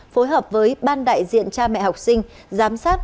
phối hợp với ban đại diện cha mẹ học sinh giám sát